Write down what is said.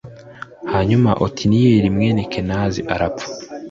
Hanyuma otiniyeli mwene kenazi arapfa